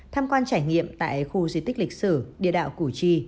tham quan trải nghiệm tại khu di tích lịch sử địa đạo củ chi